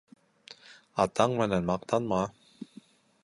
Атаң менән маҡтанма.